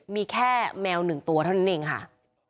มีแค่แมว๑ตัวเท่านั้นเองค่ะ